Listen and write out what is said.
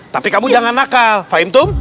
tapi kamu jangan nakal fahim tung